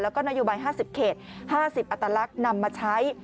แล้วก็นโยบาย๕๐เขต๕๐อัตลักษณ์นำมาใช้